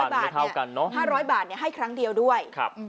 ๕๐๐บาทไม่เท่ากันเนอะครับ๕๐๐บาทให้ครั้งเดียวด้วย